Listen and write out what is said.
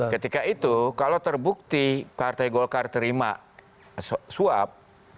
ketika itu kalau terbukti partai golkar terima suap